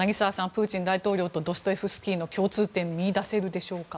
プーチン大統領とドストエフスキーの共通点は見いだせるでしょうか。